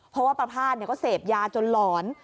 เพราะว่าประภาษณ์เนี่ยก็เสพยาจนหลอน